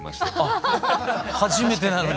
あ初めてなのに。